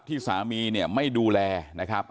ที่สามีไม่ดูแลนะครับ